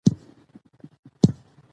د ولس رایه سیاسي وزن لري